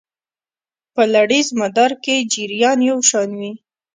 په لړیز مدار کې جریان یو شان وي.